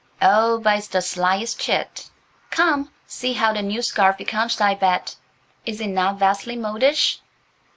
"Oh, but it's the slyest chit! Come, see how the new scarf becomes thy Bet. Is it not vastly modish?"